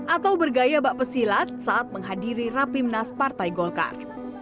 atau bergaya bak pesilat saat menghadiri rapimnas partai golkar